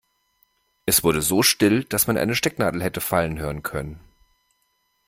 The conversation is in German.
Es wurde so still, dass man eine Stecknadel hätte fallen hören können.